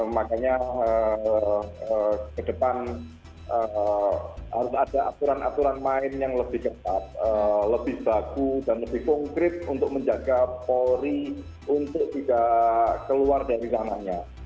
makanya ke depan harus ada aturan aturan main yang lebih ketat lebih baku dan lebih konkret untuk menjaga polri untuk tidak keluar dari sananya